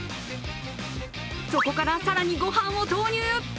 そこから更にごはんを投入。